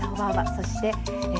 そしてえ。